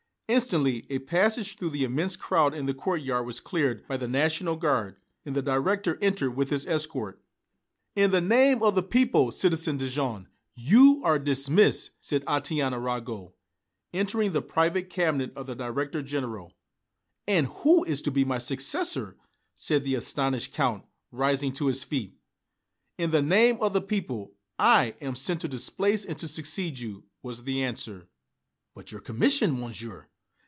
Instantly a passage through the immense crowd in the courtyard was cleared by the National Guard, and the director entered with his escort. "In the name of the people, Citizen Dejean, you are dismissed," said Étienne Arago, entering the private cabinet of the Director General. "And who is to be my successor?" asked the astonished Count, rising to his feet. "In the name of the people, I am sent to displace and to succeed you," was the answer. "But your commission, Monsieur?"